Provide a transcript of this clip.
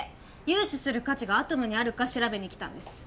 融資する価値がアトムにあるか調べに来たんです